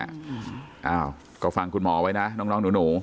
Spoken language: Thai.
อ้าวก็ฟังคุณหมอไว้นะน้องหนู